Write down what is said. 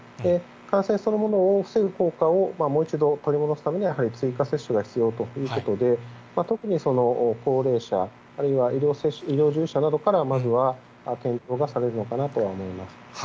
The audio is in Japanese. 感染そのものを防ぐ効果をもう一度取り戻すためには、追加接種が必要ということで、特に高齢者、あるいは医療従事者などから、まずは検討がされるのかなと思います。